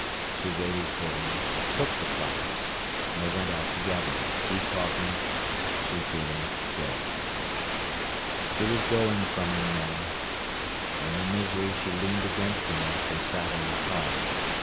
She waited for him, took the flowers, and they went out together, he talking, she feeling dead. She was going from him now. In her misery she leaned against him as they sat on the car.